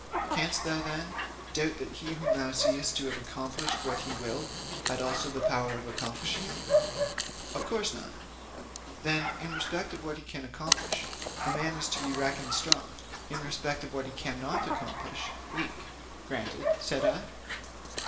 'Canst thou, then, doubt that he whom thou seest to have accomplished what he willed had also the power to accomplish it?' 'Of course not.' 'Then, in respect of what he can accomplish a man is to be reckoned strong, in respect of what he cannot accomplish weak?' 'Granted,' said I.